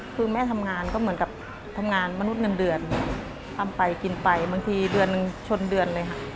คือแม่ทำงานแม่นก็เหมือนกับทำงานมนุษย์เงินเดือน